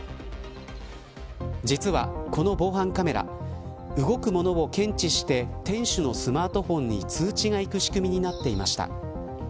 実はこの防犯カメラ動くものを検知して店主のスマホに通知がいく仕組みになっていました。